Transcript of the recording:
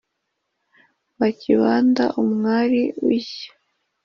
Mwa Kibanda umwari w'ishya